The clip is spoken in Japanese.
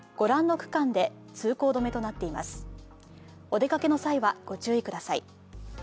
お出かけの際はご注意ください。